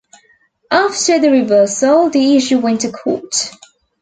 After the reversal, the issue went to court.